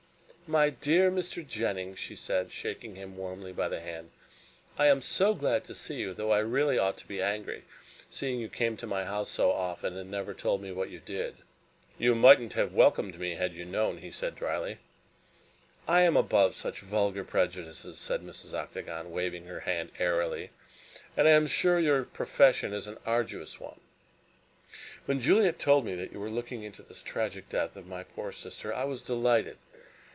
"My dear Mr. Jennings," she said, shaking him warmly by the hand, "I am so glad to see you, though I really ought to be angry, seeing you came to my house so often and never told me what you did." "You mightn't have welcomed me had you known," said he dryly. "I am above such vulgar prejudices," said Mrs. Octagon, waving her hand airily, "and I am sure your profession is an arduous one. When Juliet told me that you were looking into this tragic death of my poor sister I was delighted.